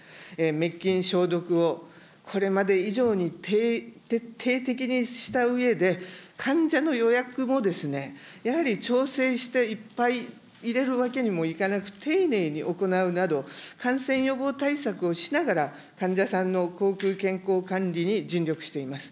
滅菌、消毒をこれまで以上に徹底的にしたうえで、患者の予約もやはり調整して、いっぱい入れるわけにもいかなく丁寧に行うなど、感染予防対策をしながら患者さんの口腔健康管理に尽力しています。